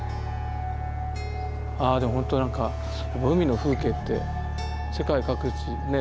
ああでもほんと何か海の風景って世界各地ねえ